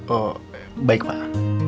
oh baik pak